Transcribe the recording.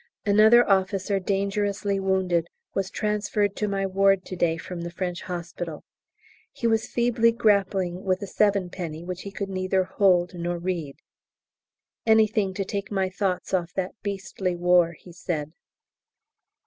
Another officer dangerously wounded was transferred to my ward to day from the French hospital. He was feebly grappling with a Sevenpenny which he could neither hold nor read. "Anything to take my thoughts off that beastly war!" he said.